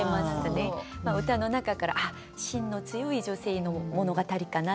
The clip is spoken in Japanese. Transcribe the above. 歌の中からしんの強い女性の物語かな。